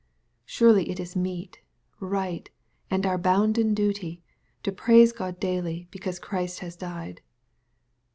Surely it is meet, right, and our bounden duty, to praise God daily because Christ has died.